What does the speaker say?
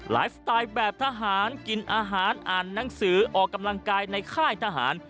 ไลฟ์สไตล์แบบทหารกินอาหารอ่านหนังสือออกกำลังกายในค่ายทหาร